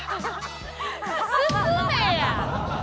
進めや！